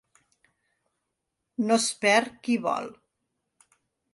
No es perd qui vol.